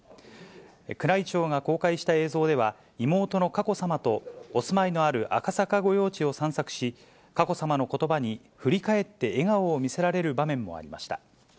宮内庁が公開した映像では、妹の佳子さまとお住まいのある赤坂御用地を散策し、佳子さまのことばに振り返って笑顔を見せられる場面もありました。